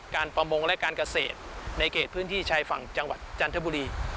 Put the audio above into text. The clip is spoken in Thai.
ประมงและการเกษตรในเขตพื้นที่ชายฝั่งจังหวัดจันทบุรี